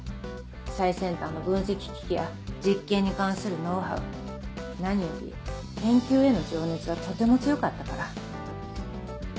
最先端の分析機器や実験に関するノウハウ何より研究への情熱はとても強かったから。